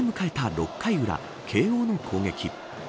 ６回裏慶応の攻撃。